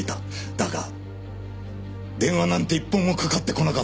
だが電話なんて１本もかかってこなかったよ。